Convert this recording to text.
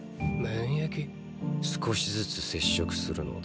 少しずつ接触するのだ。